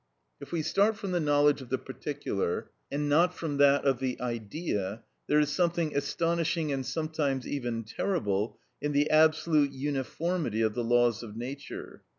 If we start from the knowledge of the particular, and not from that of the Idea, there is something astonishing, and sometimes even terrible, in the absolute uniformity of the laws of nature.